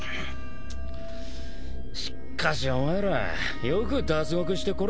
しかしお前らよく脱獄してこれたな。